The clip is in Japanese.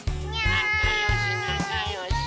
なかよしなかよし！